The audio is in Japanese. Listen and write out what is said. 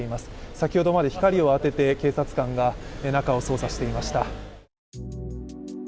先ほどまで光を当てて警察官が中を捜査していました。